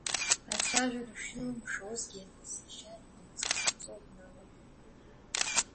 Ацәажәара шилымшозгьы, сашьа дгуамҵ-хамҵуа дналагеит…